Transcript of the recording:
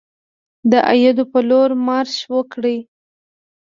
د ایدو په لور مارش وکړي.